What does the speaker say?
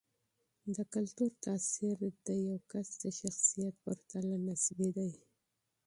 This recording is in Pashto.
د کلتور تاثیر د فرد د شخصیت په پرتله نسبي دی.